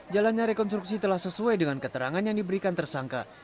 jalannya rekonstruksi telah sesuai dengan keterangan yang diberikan tersangka